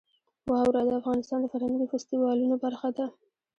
واوره د افغانستان د فرهنګي فستیوالونو برخه ده.